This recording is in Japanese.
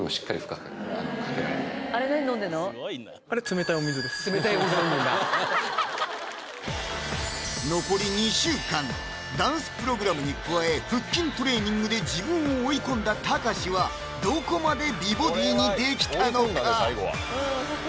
冷たいお水飲むんだ残り２週間ダンスプログラムに加え腹筋トレーニングで自分を追い込んだたかしはどこまで美ボディに出来たのか？